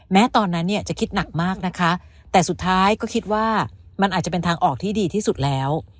ตอนนั้นเนี่ยจะคิดหนักมากนะคะแต่สุดท้ายก็คิดว่ามันอาจจะเป็นทางออกที่ดีที่สุดแล้ว